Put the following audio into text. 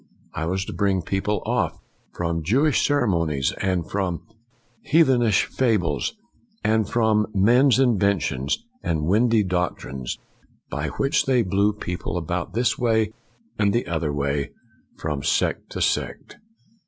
I was to bring people off from Jewish ceremonies and from heathenish fables, and from men's inventions and windy doctrines, by which they blew people about this way and the other way, from sect to sect."